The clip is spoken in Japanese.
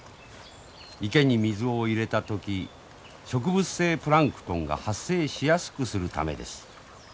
池に水を入れた時植物性プランクトンが発生しやすくするためです。